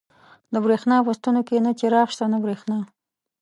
د برېښنا په ستنو کې نه څراغ شته، نه برېښنا.